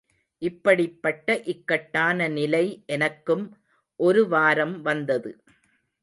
இப்படிப்பட்ட இக்கட்டான நிலை எனக்கும் ஒரு வாரம் வந்தது.